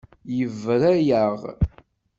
Yebra-yaɣ.